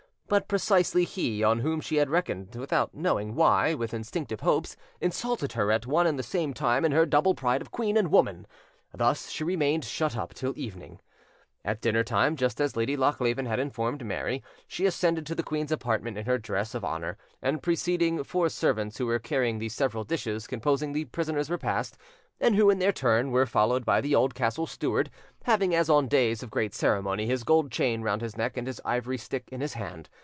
But precisely he, on whom she had reckoned, without knowing why, with instinctive hopes, insulted her at one and the same time in her double pride of queen and woman: thus she remained shut up till evening. At dinner time, just as Lady Lochleven had informed Mary, she ascended to the queen's apartment, in her dress of honour, and preceding four servants who were carrying the several dishes composing the prisoner's repast, and who, in their turn, were followed by the old castle steward, having, as on days of great ceremony, his gold chain round his neck and his ivory stick in his hand.